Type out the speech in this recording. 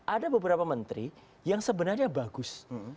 ada beberapa menteri yang sebenarnya bagus